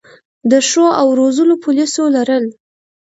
د ښو او روزلو پولیسو لرل